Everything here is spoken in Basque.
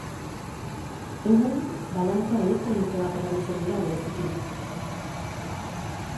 Egun, balantza elektronikoak erabiltzen dira bereziki.